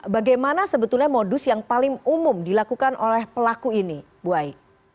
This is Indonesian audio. bagaimana sebetulnya modus yang paling umum dilakukan oleh pelaku ini bu ai